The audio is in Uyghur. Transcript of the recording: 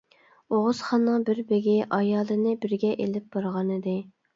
ئوغۇزخاننىڭ بىر بېگى ئايالىنى بىرگە ئېلىپ بارغانىدى.